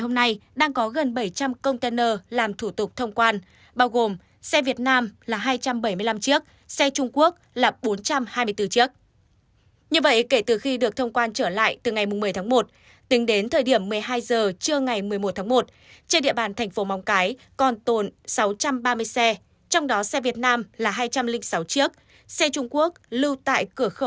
hãy đăng ký kênh để ủng hộ kênh của chúng mình nhé